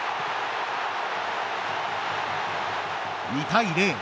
２対０。